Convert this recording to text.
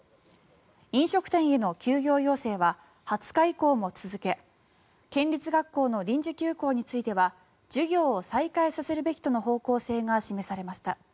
飲食店への休業要請は２０日以降も続け県立学校の臨時休校については授業を再開させるべきとの方向性が示されました。